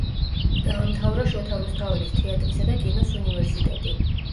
დაამთავრა შოთა რუსთაველის თეატრისა და კინოს უნივერსიტეტი.